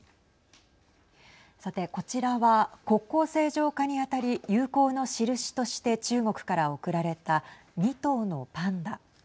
さてこちらは国交正常化に当たり友好のしるしとして中国から贈られた２頭のパンダ。